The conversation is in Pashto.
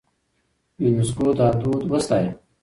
يونيسکو دا دود وستايه.